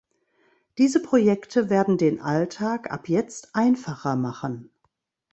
Diese Projekte werden den Alltag ab jetzt einfacher machen.